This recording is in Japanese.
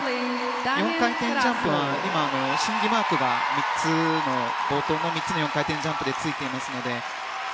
４回転ジャンプは今、審議マークが冒頭の３つのジャンプでついていますね。